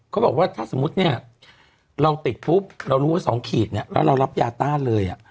เขาบอกว่าถ้าสมมุติเนี่ยเราติดปุ๊บเรารู้ว่า๒ขีดเนี่ยแล้วเรารับยาต้านเลย